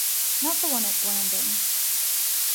Not the one at Blandings?